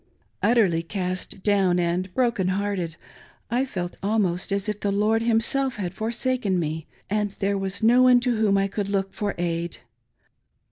l/tterly cast down and broken hearted, I felt almost as if the Lord himself had forsaken me, and there was no one to whom I could look for aid.